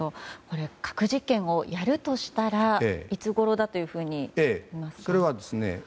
核実験をやるとしたらいつごろだというふうに思いますか？